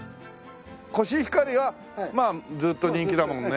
コシヒカリはまあずっと人気だもんね。